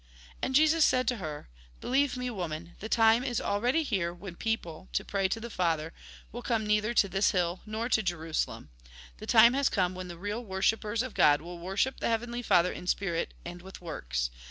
And Jesus said to her :" Believe me, woman, the time is already here, when people, to pray to the Father, will come neither to this hUl nor to Jerusalem. The time has come when the real worshippers of God will worship the Heavenly Father in spirit and with works.